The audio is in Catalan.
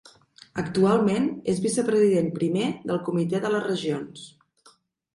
Actualment és Vicepresident Primer del Comitè de les Regions.